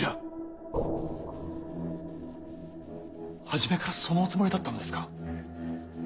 初めからそのおつもりだったのですか。